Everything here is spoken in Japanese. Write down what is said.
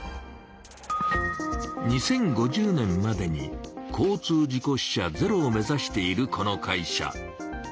２０５０年までに交通事故死者ゼロを目ざしているこの会社。